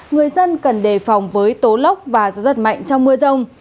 người dân cần đề phòng với tố lốc và gió giật mạnh trong mưa rông